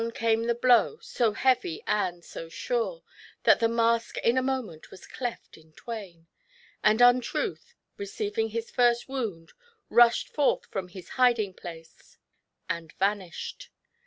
came the blow, so heavy and so sure, that the mask in a moment was cleft in twain, and Untruth, receiving his first wound, rushed forth from his hiding place and vanished.